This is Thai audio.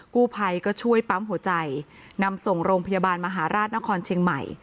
กู้ภัยก็ช่วยปั๊มหัวใจนำส่งโรงพยาบาลมหาราชนครเชียงใหม่